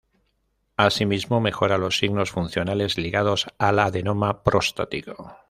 Así mismo, mejora los signos funcionales ligados al adenoma prostático.